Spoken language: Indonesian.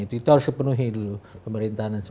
itu harus dipenuhi dulu